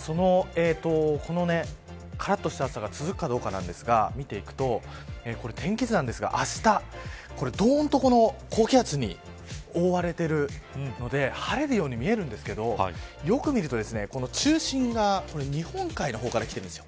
このからっとした暑さが続くかどうかなんですが、見ていくと天気図なんですが、あしたどんと高気圧に覆われているので晴れるように見えるんですけどよく見ると中心が日本海の方からきてるんです。